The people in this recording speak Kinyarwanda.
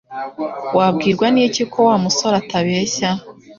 Wabwirwa n'iki ko Wa musore atabeshya?